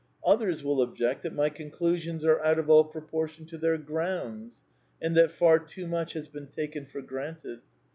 Others will object that my Conclusions are out of all proportion to their grounds, and that far too much has been taken for granted.